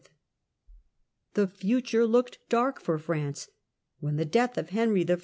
The future looked dark for France when the death of Henry I.